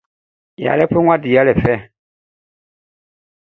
Yalé foué wan divin ya fê.